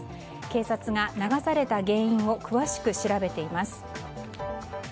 警察が流された原因を詳しく調べています。